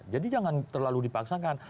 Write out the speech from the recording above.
jadi jangan terlalu dipaksakan